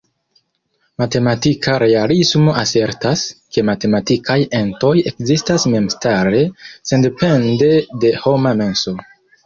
Matematika realismo asertas, ke matematikaj entoj ekzistas memstare, sendepende de homa menso.